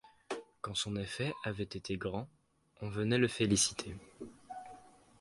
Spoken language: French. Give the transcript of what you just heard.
Quand son effet avait été grand, on venait le féliciter.